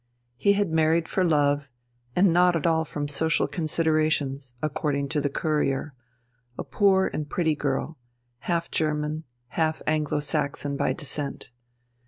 He had married for love and not at all from social considerations, according to the Courier a poor and pretty girl, half German, half Anglo Saxon by descent.